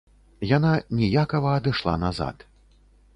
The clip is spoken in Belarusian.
Яна ніякава адышла назад.